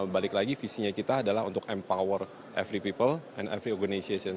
balik lagi visinya kita adalah untuk empower every people and every organization